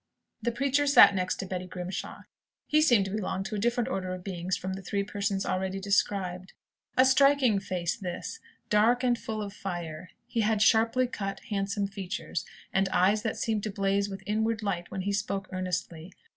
The preacher sat next to Betty Grimshaw. He seemed to belong to a different order of beings from the three persons already described. A striking face this dark, and full of fire. He had sharply cut, handsome features, and eyes that seemed to blaze with inward light when he spoke earnestly.